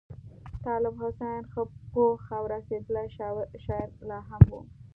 طالب حسین ښه پوخ او رسېدلی شاعر لا هم وو.